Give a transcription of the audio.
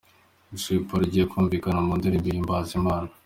Jay Polly ugiye kumvikana mu ndirimbo ihimbaza Imana.